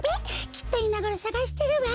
きっといまごろさがしてるわ。